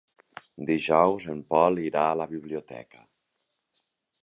Dijous en Pol irà a la biblioteca.